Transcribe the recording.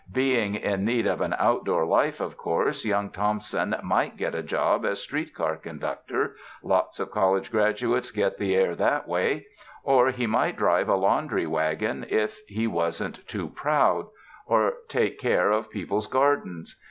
Being in need of an outdoor life, of course, young Thompson might get a job as street car conductor — lots of college graduates get the air that way — or he might drive a laundry wagon if he wasn't too proud, or take care 249 UNDER THE SKY IN CALIFORNIA of people's gardens.